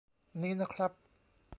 นี้นะครับ